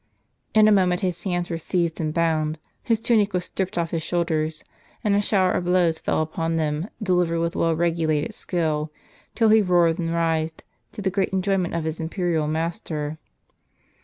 In a moment his hands were seized and bound, his tunic was stripped off his shoulders, and a shower of blows fell upon them, delivered with well regulated skill, till he roared and writhed, to the great enjoyment of his imperial master.